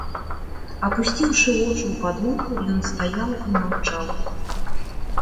Апусціўшы вочы ў падлогу, ён стаяў і маўчаў.